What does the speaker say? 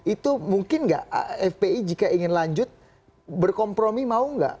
itu mungkin nggak fpi jika ingin lanjut berkompromi mau nggak